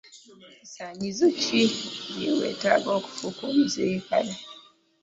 Bisaanyizo ki bye weetaaga okufuuka omusirikale?